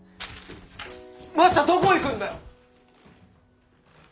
マサどこ行くんだよ！